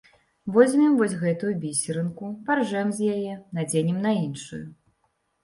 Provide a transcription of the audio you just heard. Возьмем вось гэтую бісерынку, паржэм з яе, надзенем на іншую.